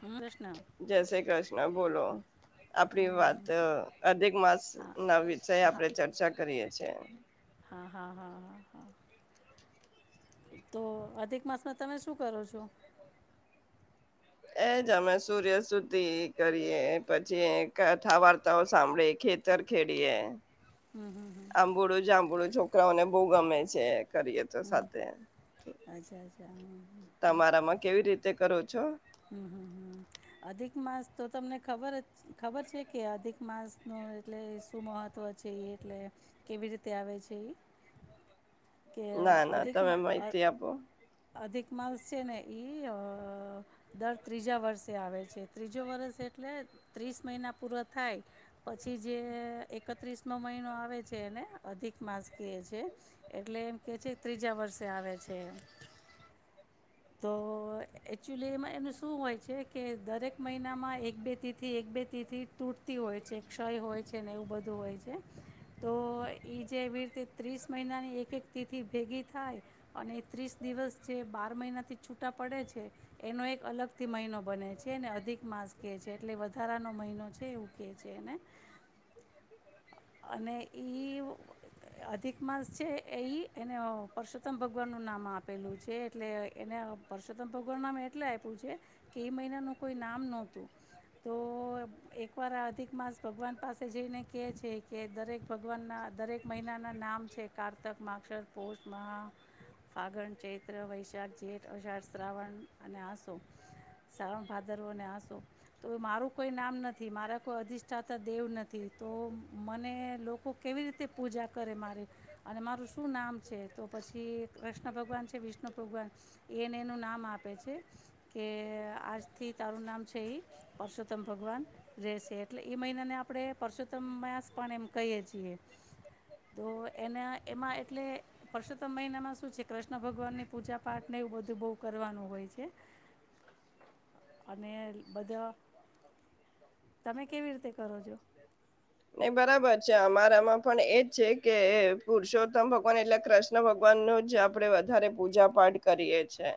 હા કૃષ્ણ જૈસે કૃષ્ણ. બોલો. આપણી હમ વાત અધિક માસ હા ના વિષય હા આપણે ચર્ચા કરીએ. છે. હા, હા, હા, હા તો અધિક માસમાં તમે શું કરો છો. એજ અમે સૂર્ય સુધી કરીએ પછી કથા વાર્તાઓ સાંભળીએ ખેતર ખેડીએ. હમ હમ હમ આંબૂળું જંબૂળું. છોકરાઓને બહુ ગમે છે. કરીએ તો હમ સાથે. અચ્છા અચ્છા હમ તમારામાં કેવી રીતે કરો છો? હમ્મ હમ્મ હમ્મ અધિક માસ તો તમને ખબર જ ખબર છે કે અધિક માસનું એટલે શું મહત્ત્વ છે એ એટલે કેવી રીતે આવે છે એ. કે ના ના તમે અધિકમાં માહિતી આપો. અધિક માસ છે ને એ દર ત્રીજા વર્ષે આવે છે ત્રીજો વર્ષ એટલે ત્રીસ મહિના પૂરા થાય, પછી જે એકત્રીસનો મહિનો આવે છે, એને અધિક માસ કહે છે. એટલે એમ કે છે ત્રીજા વર્ષે આવે છે એ. તો એકચુલી એમાં એનું શું હોય છે કે દરેક મહિનામાં એક બે થી થી એક બે તિથથી તૂટતી હોય છે ક્ષય હોય છે ને એવું બધું હોય છે, તો એ જે એવી રીતે ત્રીસ મહિનાની એક એક તિથિ ભેગી થાય, અને એ ત્રીસ દિવસ જે બાર મહિના છૂટા પડે છે, એનો એક અલગથી મહિનો બને છે ને અધિક માસ કહે છે એટલે સુધારાનો મહિનો છે એવું કહે છે અને. અને એ અધિક માસ છે એ એને પરસોત્તમ ભગવાનનું નામ આપેલું છે એટલે એને પરસોત્તમ ભગવાનનું નામ એટલે આપ્યું છે, કે એ મહિનાનું કોઈ નામ નહોતું, તો તો એકવાર આ અધિક માસ ભગવાન પાસે જઈને કેહે છે. કે દરેક ભગવાનના દરેક મહિનાના નામ છે કારતક માક્ષર પોષ મહા, ફાગણ ચૈત્ર વૈશાખ જેઠ અષાઢ શ્રાવણ અને આંસો શ્રાવણ ભાદર અને આંસો, તો એ મા કોઈ નામ નથી મારા કોઈ અધિષ્ઠાતા દેવ નથી તો મને લોકો કેવી રીતે પૂજા કરે મારી, અને મારું શું નામ છે તો પછી કૃષ્ણ ભગવાન છે વિષ્ણુ ભગવાન, એને એનું નામ આપે છે કે, આજથી તારું નામ છે એ પરષો તમ ભગવાન રહેશે એટલે એ મહિનાને આપણે પરસોત્તમ પણ એમ કહીએ છીએ, તો એના એમાં એટલે પરસોત્તમ મહિનામાં શું છે કૃષ્ણ ભગવાનની પૂજા પાઠને એવું બધું બહ કરવાનું હોય છે, અને બધા તમે કેવી રીતે કરો છો? નહી બરાબર છે અમારામાં પણ એજ છે કે પુરુષોત્તમ ભગવાન એટલે કૃષ્ણ ભગવાન નું જ આપડે વધારે પૂજા પાઠ કરીએ છે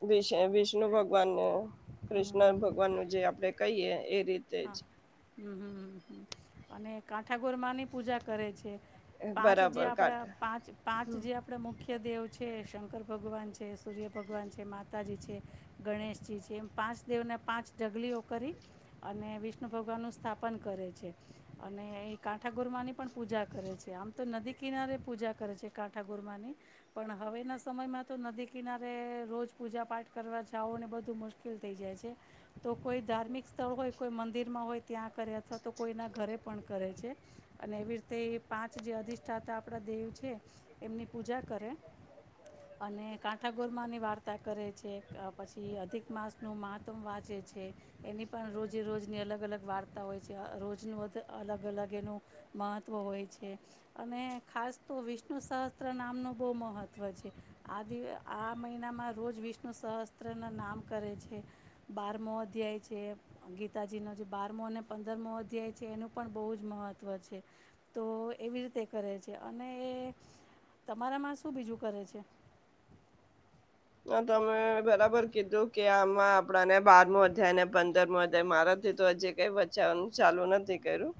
વિ વિષ્ણુ ભગવાન ન કૃષ્ણ ભક્ત. જે આપણે કહીએ. એ રીતે હા જ હમ હમ હ હ અને કાંઠા ગૌરમાંની પૂજા કરે છે. પાંચ જે બરાબર આપડા કાઢે પાંચ પાંચ જે આપણે મુખ્ય મુખ્ય દેવ છે શંકર ભગવાન છે, સૂર્ય ભગવાન છે, માતાજી છે, ગણેશજી છે, એમ પાંચ દેવને પાંચ ઢગલીઓ કરી અને વિષ્ણુ ભગવાનનું સ્થાપન કરે છે અને એ કાંઠા ગુરમાંની પણ પૂજા કરે છે આમ તો નદી કિનારે પૂજા કરે છે કાંઠા ગુરમાંની પણ હવે ના સમયમાં તો નદીક કિનારે રોજ પૂજા પાઠ કરવા જાઓને બધું મુશ્કેલ થઈ જાય છે. તો કોઈ ધાર્મિક સ્થળ હોય. મંદિરમાં હોય ત્યાં કરે અથવા તો કોઈના ઘરે પણ કરે છે અને એવી રીતે પાંચ જે અધિષ્ઠાતા આપણા દેવ છે એમની પૂજા કરે અને કાંઠાાગોરમાંની વાર્તા કરે છે પછી અધિક માસ નું મહાતમ વાંચે છે એની જે રોજની અલગ અલગ વાર્તા હોય છે રોજનું અલગ અલગ એનું મહત્ત્વ હોય છે અને ખાસ તો વિષ્ણુ સહસ્ત્ર નામનું બહુ મહત્ત્વ છે આ દિવ આ મહિનામાં રોજ વિષ્ણુ સહસ્ત્રના નામ કરે છે બારમ અધ્યાય જે ગીતાજીનો જે બારમો અને પંદરમો અધ્યાય છે એનું પણ બહુ જ મહત્વ છે તો એવી રીતે કરે છે અને તમારામાં શું બીજું કરે છે. ના તમે બરાબર કીધું કે આમાં આપણાને બાર મો વધ્યાયને પંદર મો વધ્યા મારાથી તો હજે કઈ બચાવવાનું ચાલુ નથી કર્યું.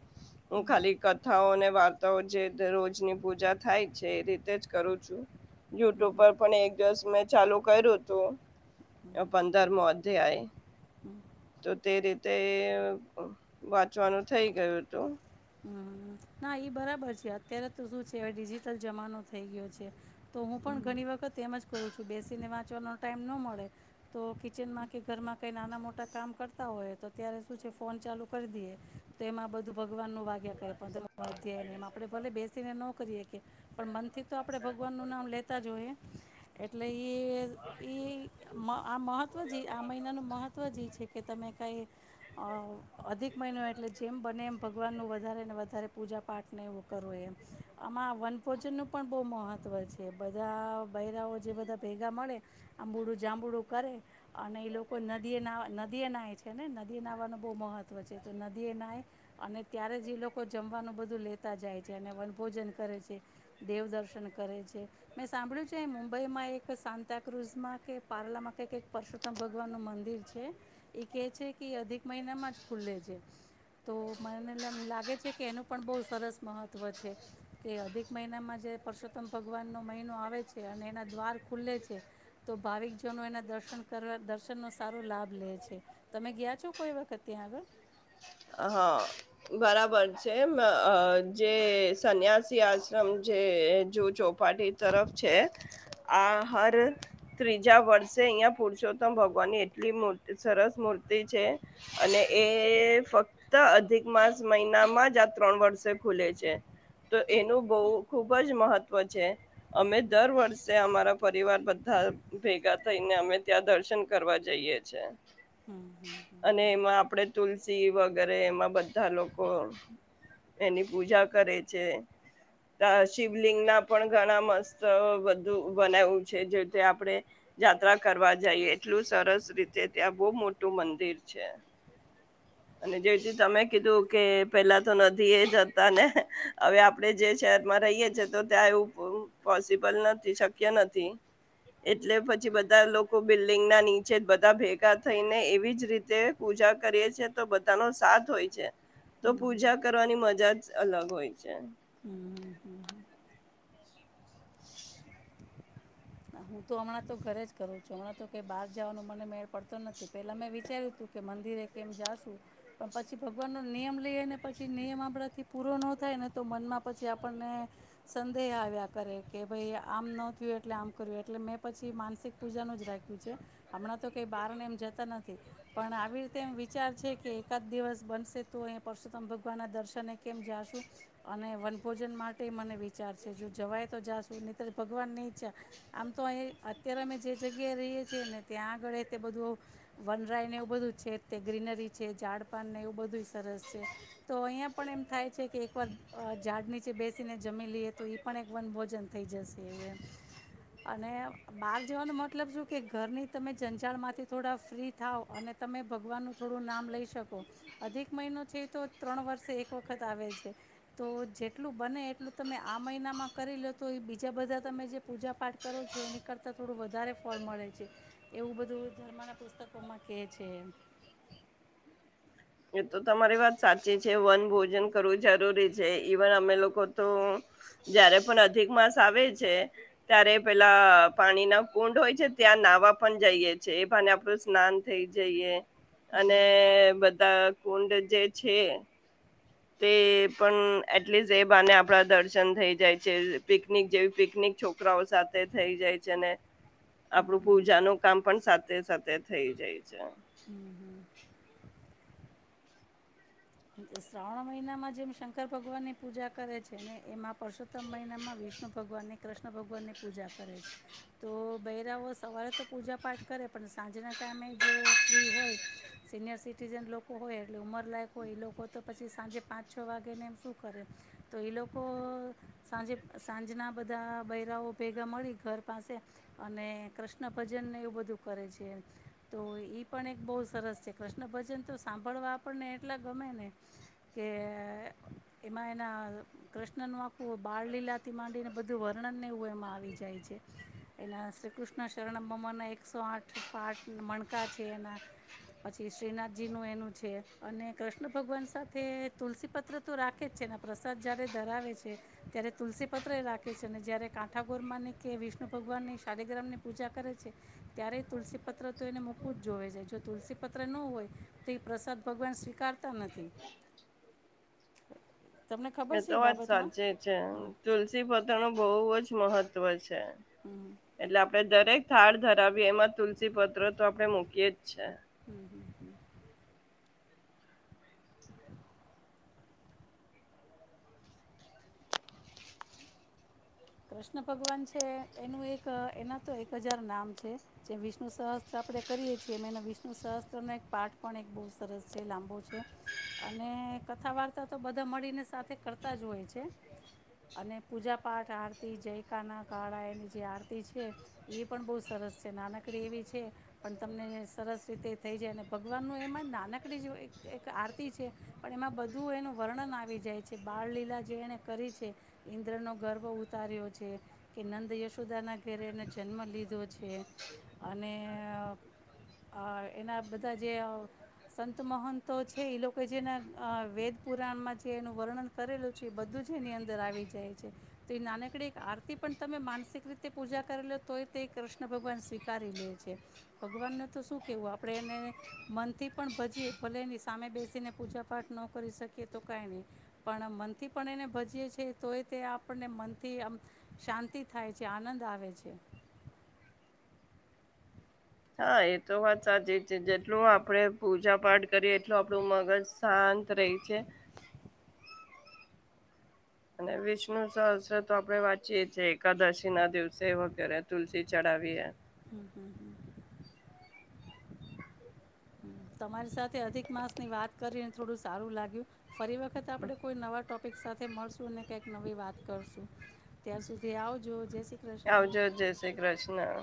હમ હું હમ ખાલી કથાઓને વાત તો જે રોજની પૂજા થાય છે એ રીતે જ કરું છું. હમ, યુટ્યુબ પર પણ એક જસ મે ચાલુ કર્યું હતું, પંદર મોધ અધ્યાય. હમ. તો તે રીતે વાંચવાનું થઇ ગયું હતું. હમ ના એ બરાબર છે અત્યારે તો શું છે હવે ડિજિટલ જમાનો થઈ ગયો છે. તો હું પણ ઘણી વખત એમ જ કરું છું બેસીને વાંચ ચવાનો ટાઈમ ન મળે, તો કિચનમાં કે ઘરમાં કંઈ નાના મોટા કામ કરતા હોય તો ત્યારે શું છે ફોન ચાલુ કરી દઈએ, તો એમાં બધું ભગવાનનું ભ્યા કરે. પ અધ્યાયને એમ આપણે ભલે બેસીને ન કરીએકીએ, પણ મનથી તો આપણે ભગવાનનું નામ લેતા જ હોઈએ, એટલે એ એ આ મહત્વ જે આ મહિનાનું મહત્ત્વ જ એ છે કે તમે કાંઈ, અધિક મહિનો એટલે જેમ બને એમ ભગવાનનું [inaudible] વધારે પૂજા પાઠને એવું કરવું એમ, આમાં વનભોજનનું પણ બહુ મહત્ત્વ છે બધા બૈરાઓ જે બધા ભેગા મળે, આંબૂડું જાંબુડું કરે અને એ લોકો નદીએ ના નદીએ નાહહે છે ને નદીએ નાહવાનું બહુ મહત્ત્વ છે તો નદીએ નાહય, અને ત્યારે જ લોકો જમવાનું બધું લેતા જાય છે અને વનભોજન કરે છે, દેવદર્શન કરે છે મેં સાંભળ્યું છે, મુંબઈમાં એક સાતાક્રુઝમાં કે પાર્લામાં કક પરસોત્તમ ભગવાનનું મંદિર છે એ કેહે છે, કે એ અધિક મહિનામાં જ ખુલ્લે છે, તો મને લાગ ગ છે કે એનું પણ બહુ સરસ મહત્વ છે, કે અધિક મહિનામાં જે પરસોત્તમ ભગવાનનો મહિનો આવે છે અને એના દ્વાર ખુલે છે, તો ભાવિકજનો એના દર્શન કરવા દર્શનનો સારો લાભ લે છે, તમે ગયા છો કોઈ વખત ત્યાં આગળ? હા બરાબર છે. જે સન્યાસી આશ્રમ જે જ ચોપાટી તરફ છે, આ હર ત્રીજા વર્ષે અહિયાં પુરુષોત્તમ ભગવાનની એટલી સરસ મૂર્તિ છે, અને એ ફક્ત અધિક માસ મહિનામાં જ ત્રણ વર્ષે ખુલે છે, તો એનું બહ ખુબ જ મહત્વ છે, અમે દર વર્ષે અમારા પરિવાર બધા ભેગા થઈને અમે ત્યાં દર્શન કરવા જઈએ છે. અને એમાં આપડે તુલસી સી વગેરે એમાં બધા લોકો એની પૂજા કરે છે, ત્યા શિવલિંગ ના પણ ઘણા મસ્ત બધું બનાવું છે જે આપણે, યાત્રા કરવા જઈએ એટલું સરસ રીતે ત્યાં બહુ મોટું મંદિર છે, અને જેથી તમે કીધું કે પેલા તો નથી એ જતા ને હવે આપણેે જે શહેર માં રહીએ છેએ તો ત્યાં એવું પોસિબલ નથી શક્ય નથી, એટલે પછી બધા લોકો બિલ્ડિંગ ના નીચે જ બધા ભેગા થઈને એવી જ રીતે પૂજા કરીે છે તો બધાનો સાથ હોય છે. તો પૂજા કરવાની મજા જ અલગ હોય છે. હમ હમ હમ હક. હું તો હમણાં તો ઘરે જ કરું છું હમણાં તો કે બહાર જવાનો મને મેળ પડતો નથી પહેલાં મેં વિચાર્યું હતું કે મંદિરે કેમ જાશું, પણ પછી ભગવાનનો નિયમ લઈએ ને પછી નિયમ આપણાંથી પૂરો ન થાય ને તો મનમાં પછી આપણને, સંદેહ આવ્યા કરે કે ભાઈ આમ ન થયું એટલે આમ ના થયું તેમ ના થયું. એટલે મે પછી માનસિક પૂજા ન જ રાખ્યું છે, હમણાં થોડા દિવસ પસી રાખીસું. કે બહારને એમ જતા નથી, પણ આવી રીતે એમ વિચાર છે કે એકાદ દિવસ બનશે તો ક્યારે જવા નું નક્કી કરીસુ. પરસોતમ ભગવાનના દર્શન કેમ જાશું, અને વન ભોજન માટે મને વિચાર છે જો જવાય તો જાશું નનીતરજ ભગવાન ની ઈચ્છા થશે ત્યાર જશુ. અત્યારે અમે જે જગ્યાએ રહીએ છી ને ત્યાં આગળ બધું, વનરાયને એવું બધું હતું. છે તે ગ્રીનરી છે ઝાડ પાાનને એવું બધું સરસ છે, તો અહીંયા પણ એમ થાય છે કે એકવાર ઝાડ નીચે બેસીને જમી લઈએ તો એ પણ એક વન ભોજન થઈ જશે એવું એમ, વિચાર આવે છે. અને બહાર જવાનો મતલબ શું કે ઘરની તમે જંઝાણમાંથી થોડા ફ્રી થાવ અને મન ને શાંતિ મળે. થોડું નામ લઈ શકો, અધિક મહિનો છે એ તો ત્રણ વર્ષે એક વખત આવે છે, તો જેટલું બને એટલું તમે આ મહિનામાં કરી લો તો એ બીજા બધા તમે જે પૂજા પાઠ કરવા મેળ આવે. એ કરતા થોડું વધારે ફળ મળે છે, એવું બધું ધર્મના પુસ્તકોમાં કેહે છે. એ તો તમારી વાત સાચી છે વન ભોજન કરવું જરૂરી છે ઈવન અમે લોકો તો, જારે પણ અધિક માસ આવે છે, ત્યારે પેલા પાણી ના કુંડ હોય છે ત્યાં નાહવા પણ જઈએ છે એ ભ આપડું સ્નાન થઈ જઈએ. અને બધી મજા આવે છે. કુંડ જે છે. તે પણ એટલીસ્ટ એ બાને આપડા દર્શન થઈ જાય છે પિકનિક જેવી પિકનિક છોકરાઓ સાથે થઈ જાય છે ને આપણું પૂજાનું કામ પણ સાથે સાથે થઇ જાય છે બધું કામ થઇ જાય સે. શ્રાવણ મહિનામાં જેમ શંકર ભગવાન ની પૂજા કરે છે ને એમાં. પરશોત્મ મહિમાં વિષ્ણુ ભગવાનની કૃષ્ણ ભગવાનની પૂજા કરે છે તો બૈરાવો સવારે તો પૂજા પાઠ કરે પણ સાંજના ટાઈમે જો ફ્રી હોય સિનિયર સિટીઝન લોકો હોય એટલે ઉંમરલાયક એ લોકો તો પછી સાંજે પાંચ છ વાગે ને એમ શું કરે તો એ લોકો સાંજે સાંજના બધા બૈરાઓ ભેગા મળી ઘર પાસે અને કૃષ્ણ ભજનને એવું બધું કરે છે તો એ પણ એક બહુ સરસ છે કૃષ્ણ ભજન તો સાંભળવા આપણને મજા આવે. એટલા ગમે ને કે એમાં એના કૃષ્ણનું આખું બાળ લીલાથી માંડી ને બધું વર્ણનને એવુ એમાં આવે આવી જાય છે એના શ્રી કૃષ્ણ શરણ મમ્મના એકસો આઠ પાઠ મણકા છે એના પછી શ્રીનાથજી નું એનું છે અને કૃષ્ણ ભગવાન સાથે તુલસીપત્ર તો રાખે જ છે ને પ્રસાદ જ્યારે ધરાવે છે ત્યારે તુલસીપત્ર રાખે છે અને જ્યારે કાંઠાાગોરમાંની કે વિષ્ણુ ભગવાનની શાલીગ્રામની પૂજા કરે છે ત્યારે તુલસીપત્ર તો એને મૂકવું જ જોવે જાય જો તુલસીપત્ર ન હોય તો એ પ્રસાદ રૂપી ગણાય સે. તમને ખબર છે એતો એ વાત બાબતમાં સાચી છે હમ તુલસી પતણો બવ જ એ જ મહત્વ છે. હમ એટલે આપડે દરેક થાડ ધર એમાં તુલસી પત્ર તો આપણે મૂકીએ જ અચ્છા. હમ કૃષ્ણ ભગવાન છે એનું એક એના તો એક હજાર નામ છે જે વિષ્ણુ સહસ્ત્ર આપણે કરીય છીએ વિષ્ણુ સહસ્ત્રનો એક પાઠ પણ એક બહુ સરસ છે લાંબો છે અને કથા વાર્તા તો બધા મળીને સાથે કરતા જ હોય છે. છે અને પૂજા પાઠ આર જય કના કાળા એની જે આરતી છે એ પણ બહુ સરસ છે નાનકડી એવી છે પણ તમને સરસ રીતે થઈ જાય અને ભગવાનનું એમાં નાનકડી એક આરતી છે, પણ એમાં બધું એનું વર્ણન આવી જાય છે બાળલીલા જે કરી છે ઇન્દ્રનો ગર્વ કર્યો છે કે નંદ યશોદાના ઘરે એને જન્મ લીધો છે, અને એના બધા જે સંત મહંતો છે એ લોકો જેના વેદ પુરાણમાં જે એનું વર્ણન કરેલું છે. બધું જ એની અંદર આવી જાય છે. તે નાનકડી. આરતી પણ તમે માનસિક રીતે પૂજા કરી લો તોય તે કૃષ્ણ ભગવાન સ્વીકારી લે છે, ભગવાનનું તો શું કહેવું આપણે એને મનથી પણ પછી ભલે એની સામે બેસીને પૂજા પાઠ ન કરી શકીએ, તો કાંઈ નહીં પણ મનથી પણ એને ભજીએ છીએ તોય તે આપ આપણને મનથી આમ શાંતિ થાય છે આનંદ આવે છે. હા એ તો વાત સાચી છે જેટલું આપણે. પૂજા પાઠ કરીએ એટલું આપણું મગજ શાંત રહી છે. અને વિષ્ણુ સહસ્ત્ર તો આપડણે વાંચીયે છીએ, એકાદશીના દિવસે વગેરે તુલસી ચડાવીએ. હમ, તમારી સા અધિક માસની વાત કરી. થોડું સારું લાગ્યું. ફરી વખત આપડે કોઈ નવા ટોપી સાથે મળશુંને કંઈક નવી વાત કરશું. ત્યાં સુધી આવજો, જય શ્રી કૃષ્ણ. આવજો જય શ્રી કૃષ્ણ.